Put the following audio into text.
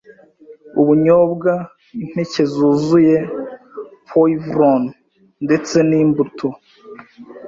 ubunyobwa, impeke zuzuye, poivron, ndetse n’imbuto